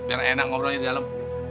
biar enak ngobrolnya di dalam